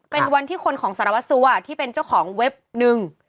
เป็นวันที่คนของสารวัสสัวที่เป็นเจ้าของเว็บหนึ่ง